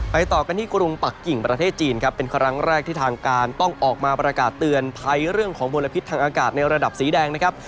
ต่อกันที่กรุงปักกิ่งประเทศจีนครับเป็นครั้งแรกที่ทางการต้องออกมาประกาศเตือนภัยเรื่องของมลพิษทางอากาศในระดับสีแดงนะครับ